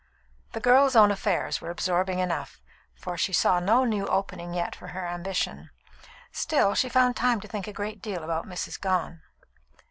The girl's own affairs were absorbing enough, for she saw no new opening yet for her ambition; still, she found time to think a great deal about Mrs. Gone.